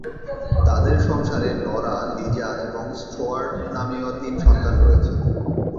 তাদের সংসারে Laura, Liza এবং স্টুয়ার্ট নামীয় তিন সন্তান রয়েছে।